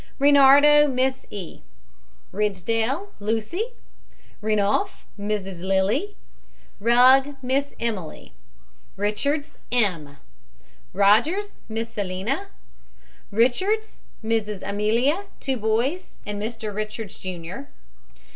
REINARDO, MISS E. RIDSDALE, LUCY. RENOUF, MRS. LILY. RUGG, MISS EMILY. RICHARDS, M. ROGERS, MISS SELINA. RICHARDS, MRS. EMILIA, two boys, and MR. RICHARDS, JR.